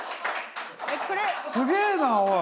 すげえなおい！